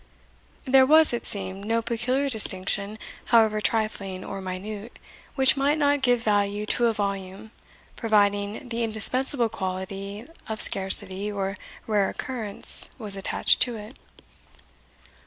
There was, it seemed, no peculiar distinction, however trifling or minute, which might not give value to a volume, providing the indispensable quality of scarcity, or rare occurrence, was attached to it.